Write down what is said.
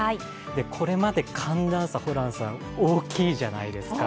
これまで寒暖差、大きいじゃないですか。